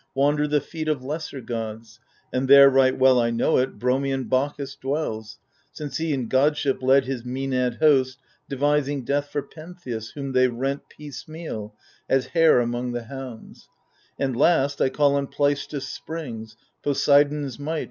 Wander the feet of lesser gods ; and there, Right well I know it, Bromian Bacchus dwells, Since he in godship led his Maenad host. Devising death for Pentheus, whom they rent Piecemeal, as hare among the hounds. And last, I call on Pleistus' springs, Poseidon's might.